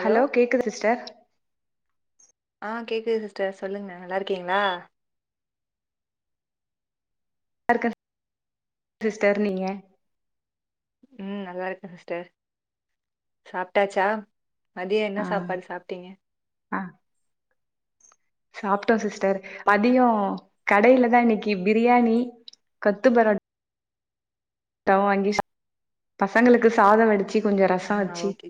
Hello கேக்குதா sister ஆ கேக்குது சிஸ்டர் சொல்லுங்க நல்லா இருக்கீங்களா நல்லாருக்க சிஸ்டர் நீங்க ம் நல்லா இருக்க சிஸ்டர் சாப்டாச்சா மதியோ என்ன ஆ சாப்பாடு சாப்டீங்க சாப்டோ சிஸ்டர் மதியோ கடையிலதா இன்னைக்கு பிரியாணி கொத்து பரோட் ட்டாவு வாங்கி சாப் பசங்களுக்கு சாதோ வடுச்சு ஆ ஓகே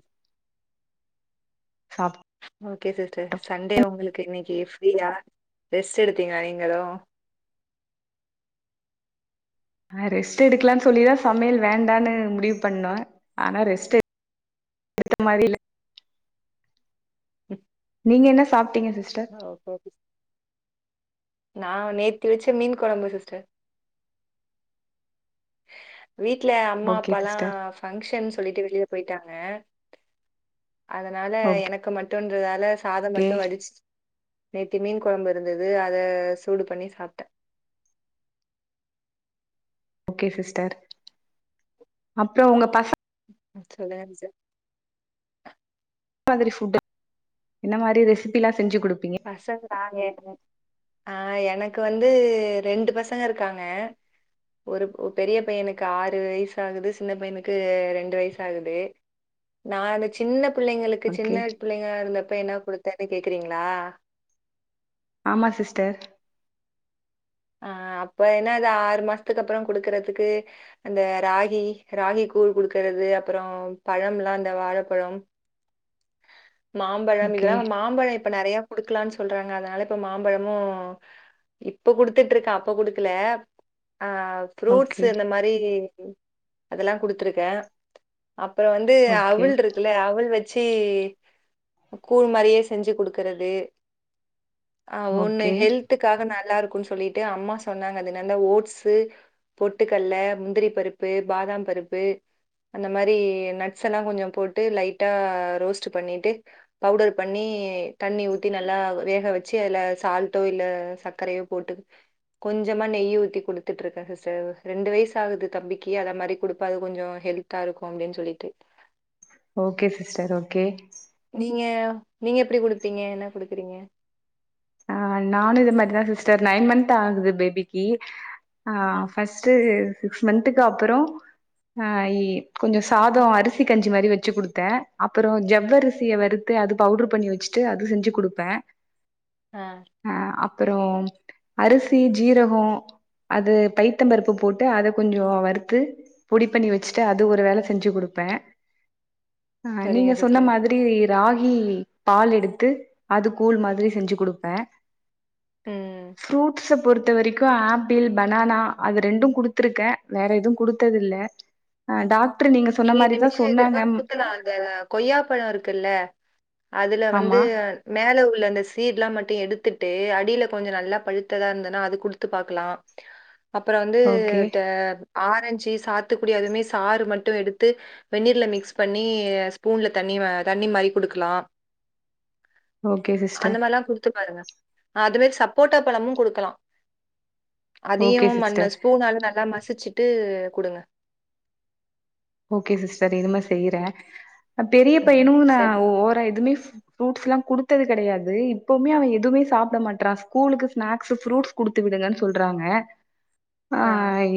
சாப்ட்டோ ஓகே சிஸ்டர் சண்டே உங்களுக்கு இன்னைக்கு ஃப் ஃப்ரியா ரெஸ்ட் எடுத்தீங்களா நீங்களு ஆ ரெஸ்ட் எடுக்கலான் சொல்லிதா சமையல் வேண்டான்னு முடிவு பண்ணோ ஆனா ரெஸ்ட்டு எடுத்த மாரியே இல்ல ம் நீங்க என்ன சாப்டீங்க ஓ [unintelligible] நா நேத்துவச்ச மீன் கொழம்பு சிஸ்டர் [inaudible] வீட்டு்ல அம்மா ஓகே அப்பாலா சிஸ்டர் ஃபங்ஷன் சொல்லிட்டு வெளிய போயிட்டாங்க அதனால ஓகே எனக்கு மட்டும்ன்றதால சாதோ மட்டும் வடிச்சுட் நேத்து மீன் கொழம்பு இருந்தது அத சூடு பண்ணி சாப்ட்டே ஓகே சிஸ்டர் அப்புறோ உங்க பச சொல்லான்சர் என்ன மாதிரி ஃபுட் என்ன மாதிரி ரெசிபில்லா [unintelligible] ஆ எனக்கு வந்து ரெண்டு பசங்க இருக்காங்க ஒரு பெரிய பையனுக்கு ஆறு வயசு ஆகுது சின்ன பையனுக்கு ரெண்டு வயசுஆகுது நா அந்த சின்ன பிள்ளைங்களுக்கு சின்ன ஓகே பிள்ளைங்காளா இருந்த இப்ப என்ன கொடுத்தேன்னு கேக்குறீங்களா ஆமா சிஸ்டர் ஆ அப்ப என்னா அது ஆறு மாசத்துக்கு அப்புறோ குடுக்கறதுக்கு அந்த ராகி ராகி கூழ் குடுக்றது அப்புறோ பழம்ல்லா அந்த வாழப்பழம் மாம்பழம் ஓகே இதெல்லா மாம்பழம் இப்ப நெறைய குடுக்கலானு சொல்றாங்க அதனால இப்ப மாம்பழமு இப்ப குடுத் குடுத்துட்டுருக்கு அப்ப குடுக்கல அ ஃப்ரூட்ஸ் ஓகே அந்த மாரி அதெல்லா குடுத்துருக்கே அப்புறோ வந்து ஓகே அவுள் இருக்குல்ல அவுள் வச்சு ச்சு கூழ் மாரியே செஞ்சு குடுக்குறது ஆ ஒன்னு ஓகே ஹெல்த்துக்காக நல்லா இருக்கு கு சொல்லிட்டு அம்மா சொன்னாங்க அதுனல்ல ஓட்ஸு பொட்டுக்கல்ல முந்திரி பருப்பு பாதா பருப்பு அந்த மாரி நட்ஸ்லா கொஞ்சோ போட்டு லைட்டா ரோஸ்ட் பண்ணிட்டு பவுடர் பண்ணி தண்ணி ஊத்தி நல்லா வேக வச்சு அதுல சால்டோ இல்ல சக்கரையோ போட்டு கொஞ்சொமா நெய் ஊத்தி குடுத்துட்டு இருக்கே சிஸ்டர் ரெண்டு வயசு ஆகுது தம்பிக்கு அத மாதிரி குடுப்பது கொஞ்சொ ஹெல்தா இருக்கு அப்டினு சொல்லிட்டு ஓகே சிஸ்டர் ஓகே நீங்க நீங்க எப்பிடி குடுத்திங்க என்ன குடுக்குறீங்க ஆ நானு இத மாரிதா சிஸ்டர் நயன் மத் ஆகுது பேபிக்கு ஆ ஃபஸ்ட்டு சிக்ஸ் மந்துக்கு அப்புறோ ஆ இ கொஞ்சொ சாதோ அரிசி கஞ்சி மாரி வச்சு குடுத்தே‌ அப்புறோ ஜவ் அரிசிய வறுத்து அது பவுடர் பண்ணி வச்சிட்டு அது செஞ்சு குடுப்பே ஆ. ஆ அ அப்புறோ அரிசி ஜீரகோ அது பைத்த பருப்பு போட்டு அத கொஞ்சொ வறுத்து பொடி பண்ணி வச்சிட்டு அது ஒரு வேல செஞ்சு குடுப்பே அ சரிங்க நீங்க சொன்ன சிஸ்டர். மாதிரி ராகி பால் எடுத்து அது கூழ் மாதிரி செஞ்சிகுடுப்பே ம். ஃபுரூட்ஸ்சப் பொறுத்த வரைக்கு ஆப்பிள் பனானா அது ரெண்டு குடுத்தருக்கே வேற எதுவு குடுத்ததில்ல டாக் நீங்க இனிமே இதலா குடுக்கலா அந்த கொய்யாப்பாளோ இருக்குல்லா அதுல வந்து ஆமா மேல உள்ள அந்த சீட்ல மட் ட்டு எடுத்துட்டு அடில கொஞ்ச நல்லா பழுத்ததா இருந்தன்னா அது குடுத்து பாக்கலா அப்புறோ வந்து ஓகே ட ஆரஞ்சி சாத்துகுடி அதுமே சாறு மட் ட்டு எடுத்து வெந்நீர்ல மிக்ஸ் பண்ணி ஸ்பூன்ல தண்ணிவ தண்ணி மாரி குடுக்கலா ஓகே அந்த சிஸ்டர் மாரில்லா குடுத்து பாருங்க அதுவே சப்போட்டா பழமு குடுக்கலா அதையு ஓகே மன்ன சிஸ்டர் ஸ்பூனால நல்லா மசிச்சி ட்டு குடுங்க ஓகே சிஸ்டர் இனிம செய்றே பெரிய ம் பையனு நா சரி ஓரா எதுமே ஃப் ஃப்ரூட்ஸ்லா குடுத்தது கெடையாது இப்பவுமே அவ எதுவுமே சாப்பிட மாட்டறா ஸ்கூலுக்கு ஸ்நக்ஸ் ஃப்ரூட்ஸ் குடுத்து விடுங்கன்னு சொல்றாங்க ஆ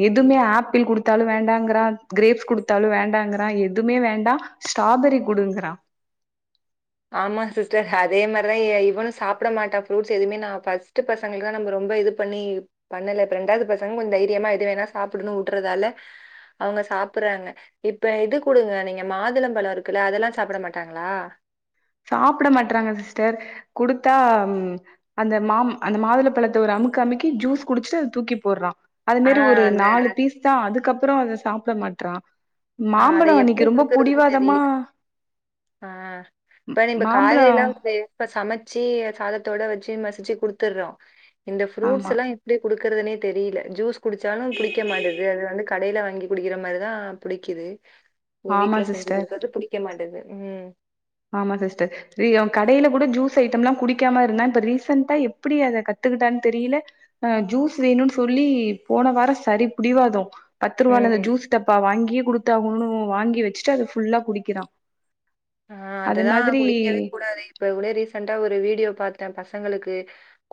எதுமே ஆப் பிள் குடுத்தாலு வேண்டாங்கிறா கிரேப்ஸ் குடுத் த்தாலு வேண்டாங்கிறா எதுமே வேண்டா ஸ்ட்ராபெரி குடுங்கிறா ஆமா சிஸ்டர் அதே மாரிதா இ இவனு சாப்பிட மாட்டா ஃப்ரூட்ஸ் எதுமே நா பஸ்ட் பசங்களுக்குதா நம்ம ரொம்ப இது பண்ணி பண்ணல ரெண்டாவது பசங்க கொஞ்ச தைரியமா எது வேணா சாப்பிடுனுவுட்டறதால அவுங்க சாப்பிறாங்க இப்ப இது குடுங்க நீங்க மாதுளம்பழம் இருக்குல்ல அதெல்லா சாப்பிட மாட்டாங்களா சாப்பிடமாட்டறாங்க சிஸ்டர் குடுத்தா அந்த மாம் அந்த மாதுளப்பழத்த ஒரு அமுக்கு அமுக்கி சூஸ் குடிச்சுட்டு அத தூக்கி போடறா அது ஆ மேரி ஒரு அந்த நாலு பீஸ்தா அது க்குகப்புறோ அத சாப்பிடமாட்டறா ஆ அத எப்பிடி குடுக்குறதுன்னு தெரியல ஆ ம் இப்ப நீம்ப மாம்பழோ காய்கறில்லா கே இப்ப சமைச்சி சாதத்தோட வச்சி மசிச்சி குடுத்துறோ இந்த ஆமா ஃப்ரூட்ஸ்ல்லாம் இப்பிடி குடுக்குறதுனே தெரியல சூஸ் குடிச்சாலு புடிக்க மாட்டது அது வந்து கடையில இங்கி குடிக்கிற மாரிதா புடிக் கிது உங்க ஆமா வீட்ல செஞ்சி சிஸ்டர் குடுக்கறது புடிக்க மாட்டேது ம் ஆமா சிஸ்டர் ஐய்யயோ கடையில கூட ஜூஸ் ஐட்டம்லாம் குடிக்காம இருந்தான் இப்ப ரீசன்ட்டா எப்டி அத கத்துக்கிட்டான்னு தெரியல ஆ ஜூஸ் வேணுன்னு சொல்லி போன வாரம் சரி புடிவாதம் பத்து ரூபால ம். அந்த ஜூஸ் டப்பா வாங்கியே குடுத் தாகனும் வாங்கி வச்சிட்டு அத ஃபுல்லா குடிக்கிறான் ஆ அது அதுதான் மாதிரி குடிக்கவே கூடாது இப்ப கூட ரீசன்டா ஒரு வீடியோ பாத்தே ப சங்களுக்கு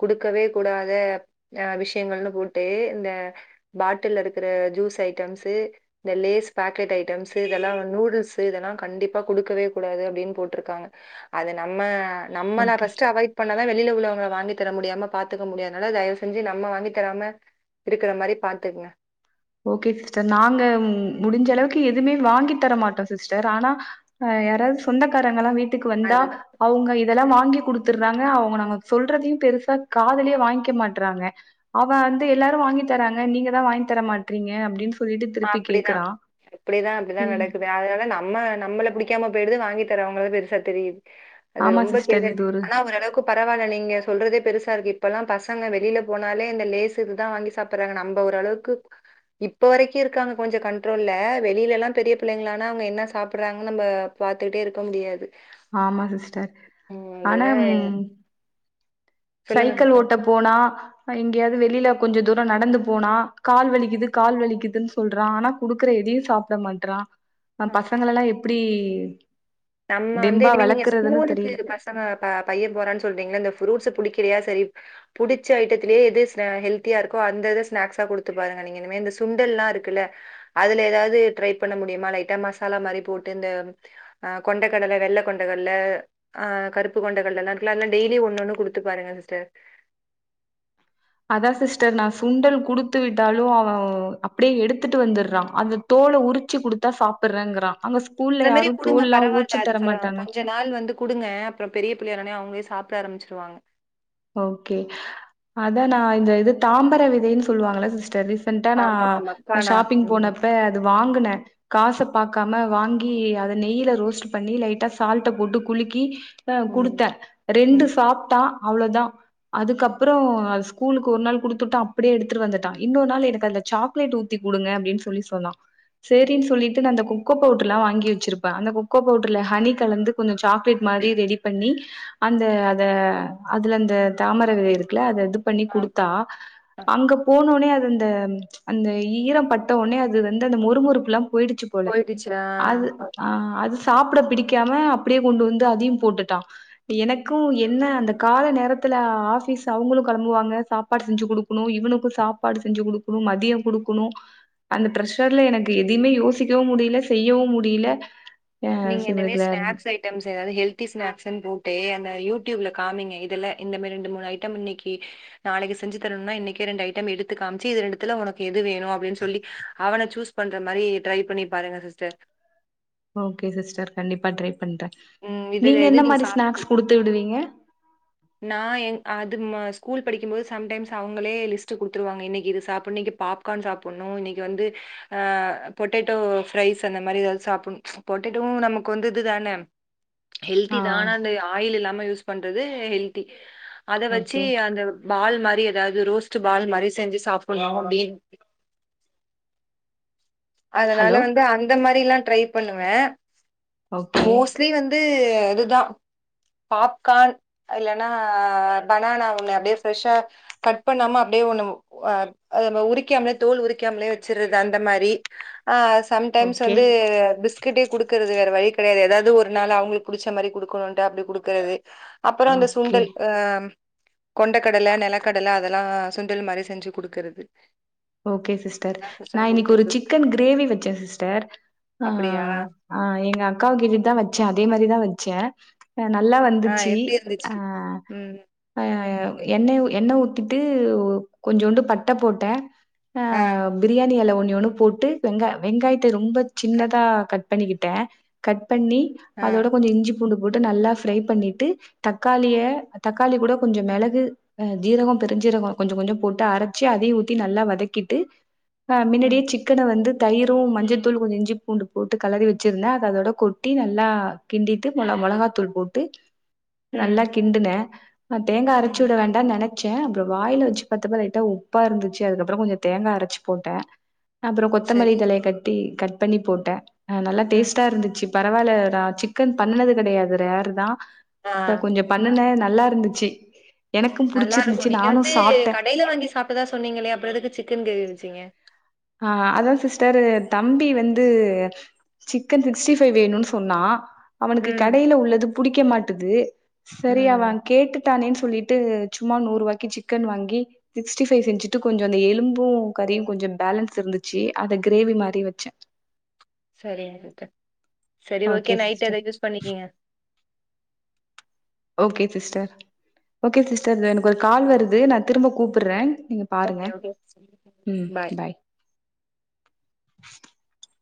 குடுக்கவே கூடாத ஆ விஷியங்கள்னு போட்டு இந்த பாட்டுல இருக்கிற ஜூஸ் ஐட்டம்ஸ் இந்த லேஸ் பாக்கெட் ஐட்டம்ஸ் இதெல்லா நூடல்ஸ் இதெல்லா கண்டிப்பா குடுக்கவே கூடாது அப்டின் போட்டுருக்காங்க அது நம்ம நம்மள ஓகே ஃபர்ஸ்ட்டு அவாய்ட் பண்ண வ வெளியில உள்ளவங்கள வாங்கி தர முடியாம பாத்துக்க முடியாதனால தயவு செஞ்சி நம்ம வாங்கி தராம இருக்கிற மாரி பாத்துக்கங்க ஓகே சிஸ்டர் நாங்க முடிஞ்ச அளவுக்கு எதுமே வாங்கி தர மாட்டோம் சிஸ்டர் ஆனா ஆ யாராவது சொந்தக்காரங்கலா வீட் டுக்கு வந்தா அதுதான் அவுங்க எ இதெல்லாம் வாங்கி குடுத்தறாங்க அவுங்க நாங்க சொல்றதையு பெருசா காதுலே வாங்க்க மாட்றாங்க அவன் வந்து எல்லாரும் வாங்கி தறாங்க நீங்க தா வாங்கி தர மாட் றிங்க அப்டிதா அப்டிதா அப்டிதான் நடக்குது அதனால நம்ம நம்மள புடி க்காம போயிடுது வாங்கி தர அவங்கள பெருசா தெரியுது அது ஆமா ரொம்ப சிஸ்டர் கெடுதல் இது ஒரு ஆனா ஓரளவுக்கு பரவாயில்ல நீங்க சொல்றதே பெருசா இருக்கு இப்பல்லாம் பசங்க வெளியில போனாலே இந்த லேசு இதுதா வாங்கி சாப்பறாங்க நம்ப ஓரளவுக்கு இப்ப வரைக் கி இருக்காங்க கொஞ்சம் கண்ட்ரோல்ல வெளியிலலா பெரிய பிள்ளைங்களானா அவுங்க என்ன சாப்பறாங்கன்னு நம்ப பாத்துக்கிட்டே இருக்க முடியாது ஆமா சிஸ்டர் ம். ஆனா அதுதான் ம் சொல்லுங்க சைக்கிள் சிஸ்டர். ஓட்ட போனா ஆ எங்கேயாவது வெளியில கொஞ்சம் தூரம் நடந்து போனா கால் வலிக்குது கால் வலிக்குதுன் சொல்றான் ஆனா குடுக்கற எதையும் சாப்ட மாட்றான் ஆ பசங்களலா எப்டி ஏக்கி நம்ம வந்து இனிமே நீங்க ஸ்கூலுக்கு பசங்க ப பையன் போறான் சொல்றீங்கல்ல இந்த ஃபுரூட்ஸ் புடிக்க கிலயா சரி புடிச்ச ஐட்டத்திலே எது ஹெல்தியா இருக்கோ அந்த இத ஸ்நாக்ஸா குடுத்து பாருங்க நீங்க இனிமே இந்த சுண்டல்லா இருக்குல்ல அதுல எதாவது ட்ரை பண்ண முடியுமா லைட்டா மசாலா மாரி போட்டு இந்த ஆ கொண்டக்கடல வெள்ள கொண்ட கடல ஆ கருப்பு கொண்ட கடலல்லா இருக்குல்ல அதுலா டெய்லியும் ஒண்ணு ஒண்ணு குடுத்து பாருங்க சிஸ்டர் அதா சிஸ்டர் நா சுண்டல் குடுத்து விட்டாலும் அவன் அப்டே எடுத்துட்டு வந்துறான் அந்த தோல உரிச்சி குடுத்தா சாப்பற்றேங்குறான் அத மாரி குடுங்க பரவால்ல அதுக்கு மாட்டாங்க கொஞ்ச நாள் வந்து குடுங்க அப்றோ பெரிய பிள்ளையானோனே அவ ங்கவே சாப்ட ஆரம்பிச்சிருவாங்க ஓகே அதா நா இந்த இது தாம்பர விதைன்னு சொல்லுவாங்க இல்ல சிஸ்டர் ரீ சண்ட்டா நா ஆமா, ஆமா. நா கானா ஷாப்பிங் ம், போனப்ப அது வாங்குனேன் காச பாக்காம வாங்கி அத நெய்யில ரோஸ்ட் பண்ணி லைட்டா சால்ட்ட போட்டு குலுக்கி ஆஹ ம், குடுத்தன் ரெண்டு ம். சாப்டான் அவ்ளோதான் அதுக்கப்றோம் அது ஸ்கூலுக்கு ஒரு நாள் குடுத்துட்டன் அப்டியே எடுத்துட்டு வந்துட்டான் இன்னொரு நாள் எனக்கு அந்த சாக்லேட் ஊத்தி குடுங்க அப்டின்னு சொல்லி சொன்னான் ம். சேரின்னு சொல்லிட்டு நா அந்த கொக்கோ பவுட்ர்லாம் வாங்கி வச்சுருப்பேன் அந்த கொக்கோ பவுடர்ல ஹனி கலந்து கொஞ்சோ சாக்லேட் மாரி ரெடி பண்ணி அந்த அத அதுல அந்த தாமர விதை இருக்குல்ல அது இத பண்ணி ஆ, குடுத்தா அ அங்க போனோனே அ அந்த அந்த ஈரோ பட்டோனே அது வந்து அந்த மொறு மொறுப்பெல்லா போய்டுச்சு போல அது போயிடுச்சா? ஆ அது சாப்ட பிடிக்காம அப்டியே கொண்டு வந்து அதயும் போட்டுட்டான் எனக்கும் என்ன அந்த கால நேரத்ல ஆபீஸ் அவங்ளும் களம்புவாங்க சாப்பாடு செஞ்சு குடுக்கணும் இவனுக்கு சாப்பாடு செஞ்சு குடுக்ணும் மதியம் குடுக்ணும் அந்த ப்ரெஷர்ல எனக்கு எதயுமே யோசிக்கவும் முடியல செய்யவும் முடியல ஆ நீங்க என்னமேரி இவனுக்குல ஸ்நாக்ஸ் ஐட்டம்ஸ் ஏது ஹெல்தி ஸ்நக்ஸ்ன்னு போ அந்த யூ டியூப்ல காமிங்க இதுல இந்த மாரி ரெண்டு மூணு ஐட்டம் இன்னைக்கி நாளைக்கு செஞ்சு தரணும்னா இன்னைக்கே ரெண்டு ஐட்டம் எடுத்து காமிச்சு இது ரெண்டுத்துல உனக்கு எது வேணு அப்டினு சொல்லி அவனை சூஸ் பண்ற மாரி ட்ரை பண்ணி பாருங்க சிஸ்டர் ஓகே சிஸ்டர் கண்டிப்பா ட்ரை பண்றேன் ம் இதுல நீங்க என்ன எது மாரி சாப் ஸ்நக்ஸ் குடுத்து விடுவீங்க இது நம்ம ஸ்கூல் படிக்கும் போது சம்டைம்ஸ் அவங்களே லிஸ்ட் குடுத்ருவாங்க இன்னைக்கு இது சாப்பன்னு இன்னிக்கு பாப்கார்ன் சாப்டணும் இன்னிக்கு வந்து அஹ் பொட்டேட்டோ ஃப்ரைஸ் அந்த மாரி சாப்பன்னு பொட்டேட்டோவும் நமக்கு வந்து இதுதான ஹெல்தி ஆ தான் ஆனா அந்த ஆயில் இல்லாம யூஸ் பண்றது ஹெல்தி அத வச்சு ஓகே அந்த பால் மாரி ஏதாது ரோஸ்ட்டு பால் மாரி செஞ்சு சாப்பணும் அப்டினு அதனால ஹலோ வந்து அந்த மாரி எல்லா ட்ரை பண்ணுவேன் ஓகே மோஸ்ட்லி வந்து இது இதுதான் பாப்கார்ன் இல்லன்னா ஃபனானா ஒண்ணு அப்டியே ஃப்ரெஷ்ஷா கட் பண்ணாம அப்டியே ஒண்ணு ஆ அது உரிக்காம்லே தோல் உரிக்காம்லே வச்சுற்றது அந்த மாரி ஆ சம்டைம்ஸ் ஓகே வந்து பிஸ்கட் குடுக் க்கிறது வேற வழி கிடையாது ஏதாவது ஒரு நாள் அவங்களுக்கு புடிச்ச மாதிரி கொடுக்கணும் அப்படி கொடுக்குறது அப்புறம் அந்த ஓகே சுண்டல் அஹ் கொண்டக்கடலை நிலக்கடலை அதெல்லாம் சுண்டல் மாதிரி செஞ்சு குடுக்கறிறது ஓகே சிஸ்டர் நான் இன்னைக்கு ஒரு இருக்கு சிக்கன் கிரேவி வச்சேன் சிஸ்டர் அப்டியா எங்க அக்காவ கேட்டு தான் வச்சேன் அதே மாரிதா வச்சே நல்லா ஆ வந்துச்சி எப்டி ஆ இருந்துச்சு ம் அ எண்ண எண்ண ஊத்திட்டு கொஞ்சோண்டு பட்ட போட்டே ஆ பிரியாணி எழ ஒன் ஒன்னு போட்டு வெங்காய வெங்காயத்த த ரொம்ப அ, சின்னதா கட் பண்ணிக்கிட்டே கட் பண்ணி ஆ அதோட கொஞ்ச இஞ்சி பூண்டு போட்டு ம் நல்லா ஃப்ரை பண்ணிட் தக்காளிய தக்காளி கூட கொஞ்ச மெளகு ஜீரகம் பெஞ்சீரக கொஞ்ச கொஞ்ச போட்டு அரச்சு அதையு ஊத்தி நல்லா வதக்கி கிட்டு ஆ ம் முன்னாடியே சிக்கன வந்து தயிரு மஞ்சத்தூளு கொஞ்ச இஞ்சி பூண்டு போட்டு கலறி வச்சிருந்தே அத அதோட கொட்டி நல்லா கிண்டிட்டு மொள மொளகாத்தூள் போட்டு நல்லா ம் கிண்டுனே நா தேங்கா ம் அரச்சுட வேண்டான் நென அப்றோ வாய்ல வச்சு பாத்தாப்பா லைட்டா உப்பா இருந்துச்சு அதுக்கப்றோ கொஞ்ச தேங்கா அரச்சு போட்டே அப்பறோ கொத்தமல்லி சரி தழய கட்டி கட் பண்ணி போட்டே ஆ நல்ல ம் டேஸ்ட்டா இருந்துச்சு பரவாயில்லாரா சிக்கன் பண்ணது கெடயாது ரேர்தா ஆ இப்ப கொஞ்ச பண்ணுனே நல்லா இருந்துச்சு எனக்கும் நல்லா இருக்கு புடிச்சிருந்துச்சு நீங்க நானு வந்து சாப்ட்டே கடயில வாங்கி சாப்ட்டதா சொன்னீங்களே அப்றோ எதுக்கு சி சிக்கன் கிரேவி வச்சீங்க ஆ அதா சிஸ்டர் தம்பி வந்து சிக்கன் சிக்ஸ்டி ஃபைவ் வேணுன்னு சொன்னா அவனுக்கு ம் கடயில உள்ளது புடிக்க மாட்டுது செரி அவ ம் கேட்டு டானேனு சொல்லிட்டு சும்மா நூறு ரூவாய்க்கு சிக்கன் வாங்கி சிக்ஸ்டி ஃவை செஞ்சிட்டு கொஞ்சோ அந்த எலும்பு கறியு கொஞ்சோ பேலன்ஸ் இருந்துச்சு அத கிரேவி மாரி வச்சே சரின்ட்டே சரி ஓகே நைட் அத யூஸ் பண்ணிக்கீங்க ஓகே சிஸ்டர் ஓகே சிஸ்டர் எனக்கு ஒரு கால் வருது நா திரும்ப கூப்புடுறங் ஓகே ஓகே பாய் [unintelligible]